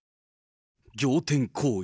仰天行為。